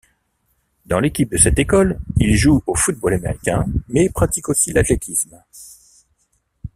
Dans l'équipe de cette école, il joue au football américain mais pratique aussi l'athlétisme.